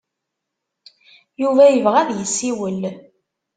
Yuba yebɣa ad yessiwel.